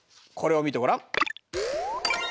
これを見てごらん。